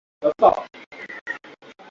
Inastahili mutu kutumika kwa ajili ya maisha